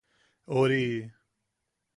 ¡Ori!